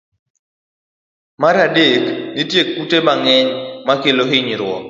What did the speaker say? Mar adek, nitie kute mang'eny makelo hinyruok.